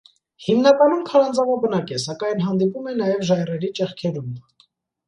Հիմնականում քարանձավաբնակ է, սակայն հանդիպում է նաև ժայռերի ճեղքերում։